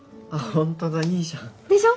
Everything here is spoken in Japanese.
ホントだいいじゃんでしょ！